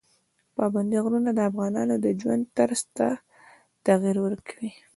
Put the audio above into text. پابندي غرونه د افغانانو د ژوند طرز ته تغیر ورکوي.